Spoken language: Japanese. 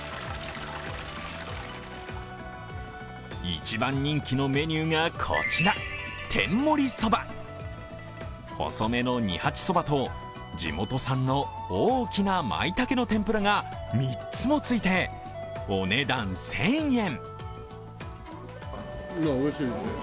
一番人気のメニューがこちら、天もりそば細めの二八そばと地元産の大きなまいたけの天ぷらが３つもついて、お値段１０００円。